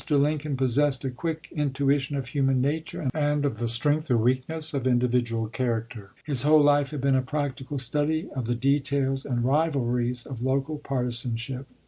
Lincoln possessed a quick intuition of human nature and of the strength or weakness of individual character. His whole life had been a practical study of the details and rivalries of local partisanship.